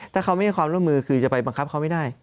ถ้าเขาไม่ให้ความร่วมมือคือจะไปบังคับเขาไม่ได้